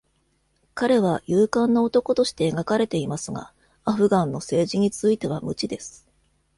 彼は勇敢な男として描かれていますが、アフガンの政治については無知です。